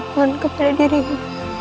aku mohon kepada dirimu